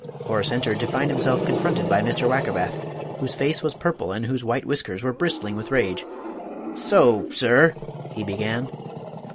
Horace entered, to find himself confronted by Mr. Wackerbath, whose face was purple and whose white whiskers were bristling with rage. "So, sir!" he began.